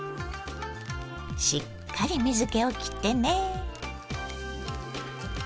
しっかり水けをきってね。